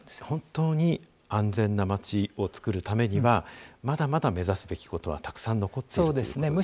本当に安全な街を作るためにはまだまだ目指すべきことはたくさん残っているということですね。